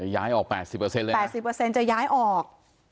ย้ายออก๘๐เลย๘๐จะย้ายออก